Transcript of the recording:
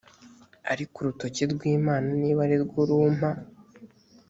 ariko urutoki rw imana niba ari rwo rumpa